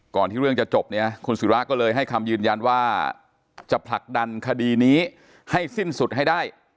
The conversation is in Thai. ที่เรื่องจะจบเนี่ยคุณศิราก็เลยให้คำยืนยันว่าจะผลักดันคดีนี้ให้สิ้นสุดให้ได้